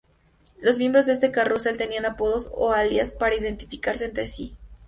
Los miembros de este carrusel tenían apodos o alias para identificarse entre sí.